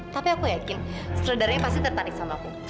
tapi aku yakin setelah darinya pasti tertarik sama aku